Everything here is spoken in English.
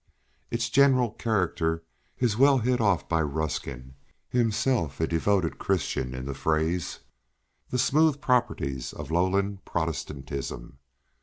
Its general character is well hit off by Ruskin, himself a devoted Christian, in the phrase "the smooth proprieties of lowland Protestantism."